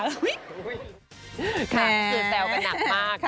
สะเซวกันหนักมากนะคะ